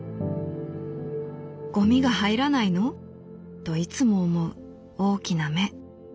ゴミが入らないの？といつも思う大きな目。